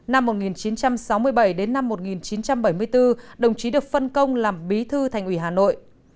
năm một nghìn chín trăm sáu mươi bảy đến năm một nghìn chín trăm bảy mươi bốn đồng chí được phân công làm bí thư thành ủy hà nội